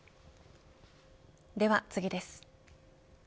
では次です。